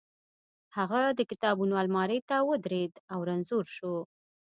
هغه د کتابونو المارۍ ته ودرېد او رنځور شو